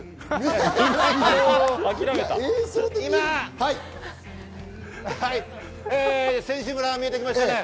今、選手村が見えてきました。